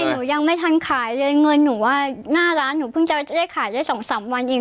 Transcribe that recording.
หนูยังไม่ทันขายเลยเงินหนูว่าหน้าร้านหนูเพิ่งจะได้ขายได้สองสามวันเอง